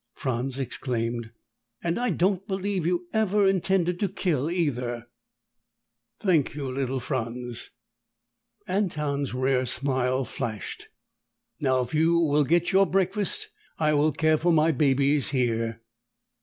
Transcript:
Franz exclaimed. "And I don't believe you ever intended to kill either!" "Thank you, little Franz." Anton's rare smile flashed. "Now, if you will get your breakfast, I will care for my babies here."